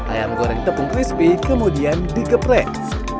ayam goreng tepung crispy kemudian digeprek